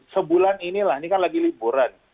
sebulan inilah ini kan lagi liburan